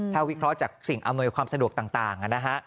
ถ้าวิเคราะห์จากสิ่งอำนวยความสะดวกต่างนะฮะ